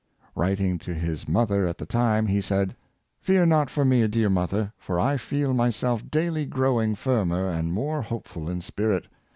'^ Writing to his mother at the time he said, " Fear not Wisdom Learned yrom Failure. 309 for me, dear mother, for I feel myself daily growing firmer and more hopeful in spirit.